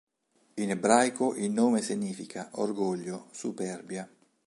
In ebraico il nome significa "orgoglio", "superbia".